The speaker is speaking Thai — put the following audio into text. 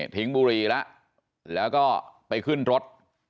ทิ้งบุรีแล้วก็ไปขึ้นรถ